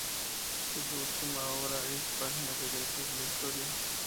Su última obra es "Páginas secretas de la Historia".